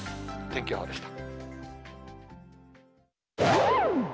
天気予報でした。